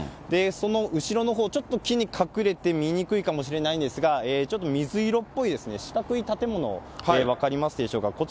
その後ろのほう、ちょっと木に隠れて見にくいかもしれないんですが、ちょっと水色っぽい、四角い建物分かりますでしょうか。